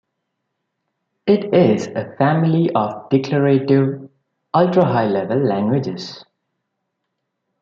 It is a family of declarative "ultra high-level" languages.